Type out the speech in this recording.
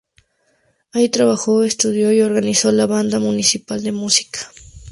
Ahí trabajó, estudió y organizó la banda municipal de música.